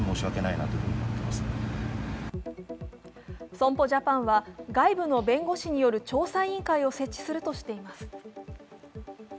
損保ジャパンは外部の弁護士による調査委員会を設置するとしています。